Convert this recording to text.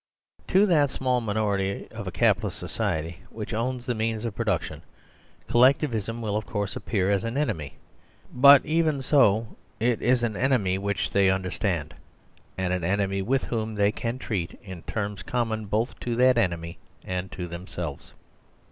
Tothat small minorityof a Capitalistsociety which owns the means of production, Collectivism will of courseappear as an enemy, but, even so, it is an enemy which they understandand an enemy withwhom they can treat in terms common both to that enemy and 113 8 THE SERVILE STATE to themselves.